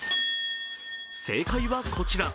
正解はこちら。